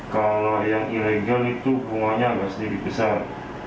kalau yang ilegal itu bunganya agak sedikit besar